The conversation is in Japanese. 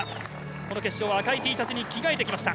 この決勝は赤いＴシャツに着替えてきました。